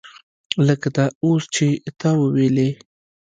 لکه دا اوس چې تا وویلې.